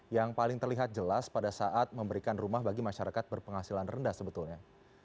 yang paling terlihat jelas pada saat memberikan rumah bagi masyarakat berpenghasilan rendah sebetulnya